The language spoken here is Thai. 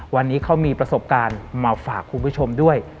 วันนี้เขามีประสบการณ์มาฝากคุณผู้ชมด้วย